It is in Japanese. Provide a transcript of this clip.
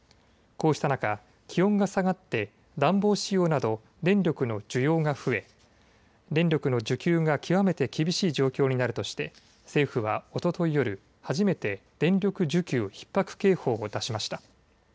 こうした中、気温が下がって暖房使用など電力の需要が増え電力の需給が極めて厳しい状況になるとして政府はおととい夜、初めて電力需給ひっ迫警報を出しました。